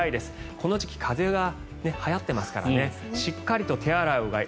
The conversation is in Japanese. この時期風邪がはやっていますからしっかりと手洗い、うがい。